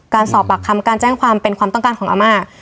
การสอบปากคำการแจ้งความเป็นความต้องการของอาม่า